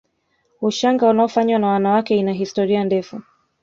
Ushanga unaofanywa na wanawake ina historia ndefu